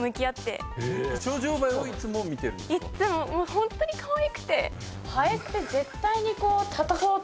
ホントにかわいくて。